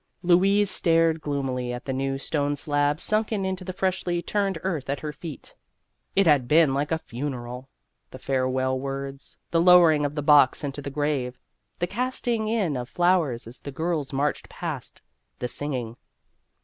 Louise stared gloom ily at the new stone slab sunken into the freshly turned earth at her feet. It had been like a funeral the farewell words, the lowering of the box into the grave, the casting in of flowers as the girls marched past, the singing.